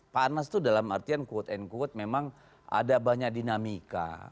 panas itu dalam artian quote and quote memang ada banyak dinamika